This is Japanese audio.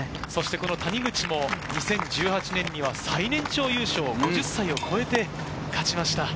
谷口も２０１８年には最年長優勝、５０歳を超えて勝ちました。